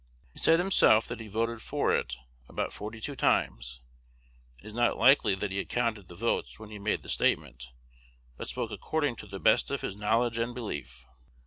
He said himself, that he had voted for it "about forty two times." It is not likely that he had counted the votes when he made this statement, but spoke according to the best of his "knowledge and belief."